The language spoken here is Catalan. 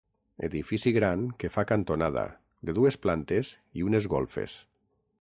Edifici gran que fa cantonada, de dues plantes i unes golfes.